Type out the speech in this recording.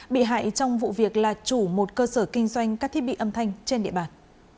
bị hại trong vụ việc là chủ một cơ sở kinh doanh các thiết bị âm thanh trên địa bàn